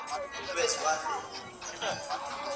د خاوند او مېرمني د ګډون لارښوونې کومې دي؟